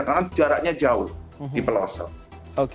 karena jaraknya jauh di pelosok